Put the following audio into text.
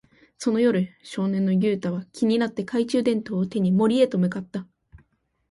その夜、少年のユウタは気になって、懐中電灯を手に森へと向かった。